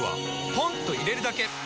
ポンと入れるだけ！